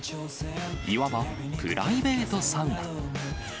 いわばプライベートサウナ。